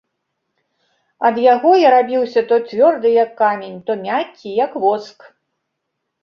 Ад яго я рабіўся то цвёрды, як камень, то мяккі, як воск.